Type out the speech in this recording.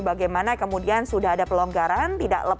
bagaimana kemudian sudah ada pelonggaran